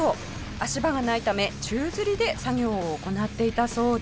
足場がないため宙吊りで作業を行っていたそうです。